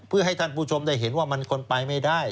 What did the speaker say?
เพื่อให้ท่านผู้ชมได้เห็นว่ามันคนไปไม่ได้